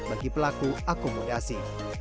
bagi pelaku akomodasi